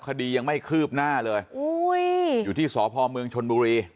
คดียังไม่คืบหน้าเลยอุ้ยอยู่ที่สพเมืองชนบุรี